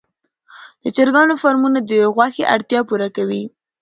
د چرګانو فارمونه د غوښې اړتیا پوره کوي.